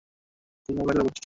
কোন মামলায় ধরা পড়েছিস?